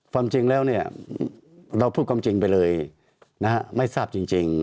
ความจริงแล้วเนี่ยเราพูดความจริงไปเลยนะฮะไม่ทราบจริง